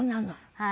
はい。